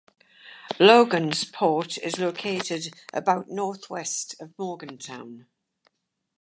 Logansport is located about northwest of Morgantown.